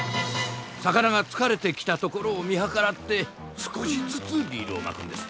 魚がつかれてきたところを見計らって少しずつリールを巻くんです。